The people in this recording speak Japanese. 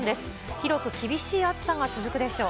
広く厳しい暑さが続くでしょう。